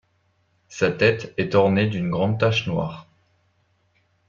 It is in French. Sa tête est ornée d'une grande tache noire.